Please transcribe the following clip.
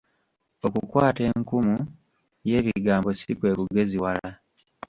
Okukwata enkumu y'ebigambo ssi kwe kugeziwala.